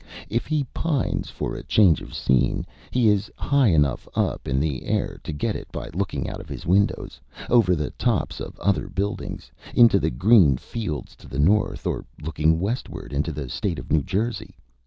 If he pines for a change of scene, he is high enough up in the air to get it by looking out of his windows, over the tops of other buildings, into the green fields to the north, or looking westward into the State of New Jersey.